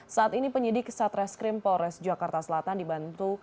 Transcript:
saat ini penyidik satreskrim polres jakarta selatan dibantu